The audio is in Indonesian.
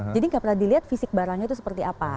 jadi gak pernah dilihat fisik barangnya itu seperti apa